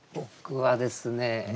僕はですね